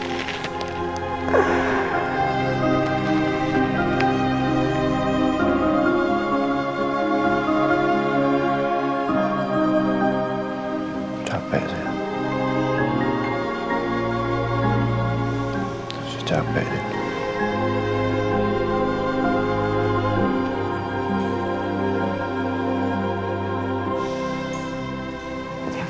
aku tahu masih capek mas